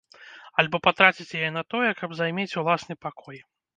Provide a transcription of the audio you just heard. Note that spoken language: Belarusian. Альбо, патраціць яе на тое, каб займець уласны пакой.